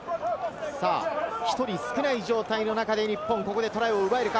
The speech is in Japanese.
１人少ない状態の中で日本、ここでトライを奪えるか？